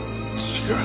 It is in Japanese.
違う！